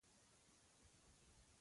له بحث نتیجه اخیستل غواړم.